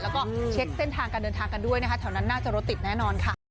แล้วก็เช็คเส้นทางการเดินทางกันด้วยนะคะแถวนั้นน่าจะรถติดแน่นอนค่ะ